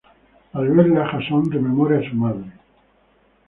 Al verla, Jason rememora a su madre.